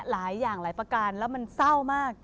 หลายอย่างหลายประการแล้วมันเศร้ามาก